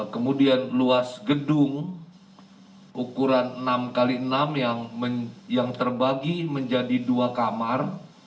kemudian luas gedung ukuran enam x enam yang terbagi menjadi dua kamar